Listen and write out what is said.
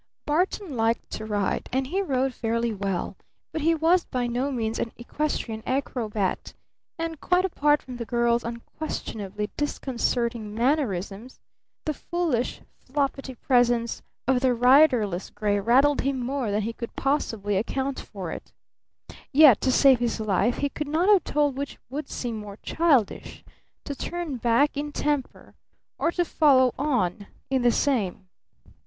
Barton liked to ride and he rode fairly well, but he was by no means an equestrian acrobat, and, quite apart from the girl's unquestionably disconcerting mannerisms, the foolish floppity presence of the riderless gray rattled him more than he could possibly account for. Yet to save his life he could not have told which would seem more childish to turn back in temper, or to follow on in the same.